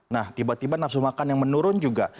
nah tiba tiba nafsu makan yang menurun juga